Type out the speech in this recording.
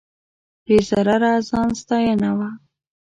بې ضرره ځان ستاینه وه.